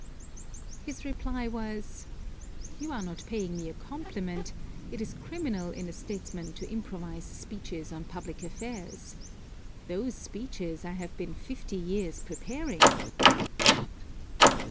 His reply was: "You are not paying me a compliment; it is criminal in a statesman to improvise speeches on public affairs. Those speeches I have been fifty years preparing."